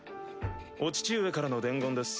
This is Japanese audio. お父上からの伝言です。